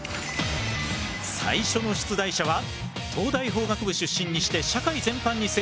最初の出題者は東大法学部出身にして社会全般に精通する男